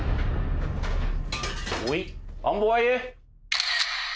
ウイアンボワイエ